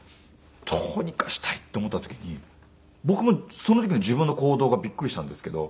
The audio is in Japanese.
どうにかしたいって思った時に僕もその時の自分の行動がびっくりしたんですけど。